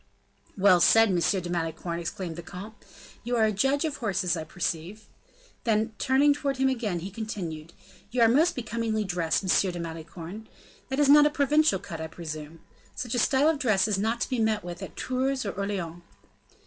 "Well said, M. de Malicorne," exclaimed the comte; "you are a judge of horses, I perceive;" then, turning towards him again, he continued, "you are most becomingly dressed, M. de Malicorne. That is not a provincial cut, I presume. Such a style of dress is not to be met with at Tours or Orleans."